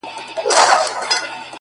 زړه راته زخم کړه؛ زارۍ کومه؛